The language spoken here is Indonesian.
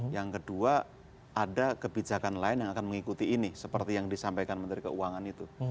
yang kedua ada kebijakan lain yang akan mengikuti ini seperti yang disampaikan menteri keuangan itu